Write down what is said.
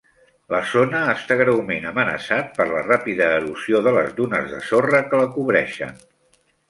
La zona està greument amenaçat per la ràpida erosió de les dunes de sorra que la cobreixen.